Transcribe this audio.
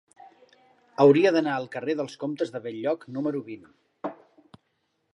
Hauria d'anar al carrer dels Comtes de Bell-lloc número vint.